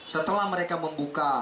setelah mereka membuka